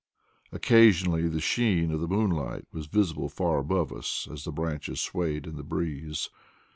Occasionally the sheen of the moonlight was visible far above us as the branches swayed in the breeze.